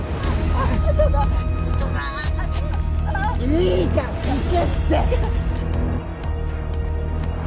いいから行けって！